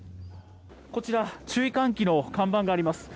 こちら、注意喚起の看板があります。